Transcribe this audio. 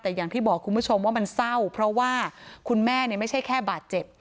แต่อย่างที่บอกคุณผู้ชมว่ามันเศร้าเพราะว่าคุณแม่ไม่ใช่แค่บาดเจ็บ